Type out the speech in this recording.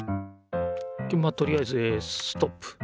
でまあとりあえずえストップ。